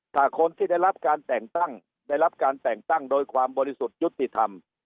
ถ้าคนที่ได้รับการแต่งตั้งได้รับการแต่งตั้งโดยความบริสุทธิ์ยุติธรรม